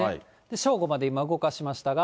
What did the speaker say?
正午まで、今、動かしましたが。